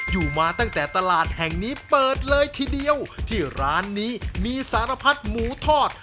อยู่มาตั้งแต่ตลาดแห่งนี้เปิดเลยทีเดียวที่ร้านนี้มีสารพัดหมูทอด